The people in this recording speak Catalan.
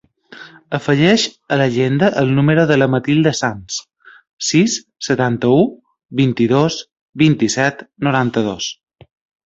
Afegeix a l'agenda el número de la Matilda Sans: sis, setanta-u, vint-i-dos, vint-i-set, noranta-dos.